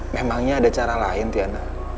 memangnya ada cara lain tiana